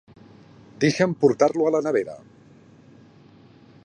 Deixa'm portar-lo a la nevera!